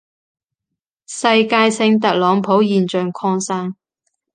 世界性特朗普現象擴散